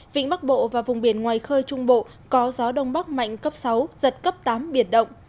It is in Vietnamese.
vĩnh bắc bộ và vùng biển ngoài khơi trung bộ có gió đông bắc mạnh cấp sáu giật cấp tám biển động